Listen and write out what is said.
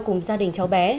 cùng gia đình cháu bé